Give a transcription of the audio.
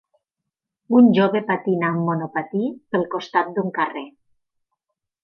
un jove patina amb monopatí pel costat d'un carrer.